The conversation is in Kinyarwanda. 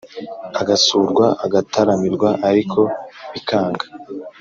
Agasurwa agataramirwa ariko bikanga